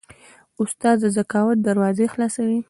استاد د ذکاوت دروازه خلاصوي.